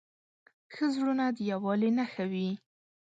ښه زړونه د یووالي نښه وي.